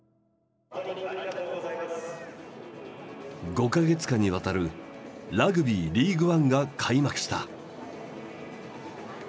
５か月間にわたるラグビーリーグワンが開幕した。